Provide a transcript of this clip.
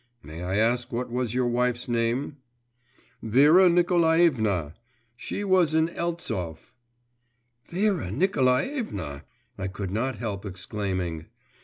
'May I ask what was your wife's name?' 'Vera Nikolaevna; she was an Eltsov.…' 'Vera Nikolaevna!' I could not help exclaiming.